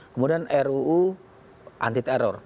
kemudian ruu anti terror